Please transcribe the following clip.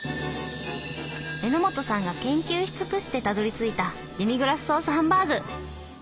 榎本さんが研究し尽くしてたどりついたデミグラスソースハンバーグ。